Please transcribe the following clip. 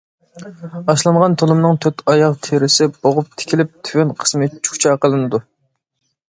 ئاشلانغان تۇلۇمنىڭ تۆت ئاياغ تېرىسى بوغۇپ تىكىلىپ، تۆۋەن قىسمى چۇچا قىلىنىدۇ.